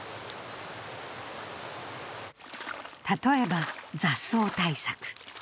例えば、雑草対策。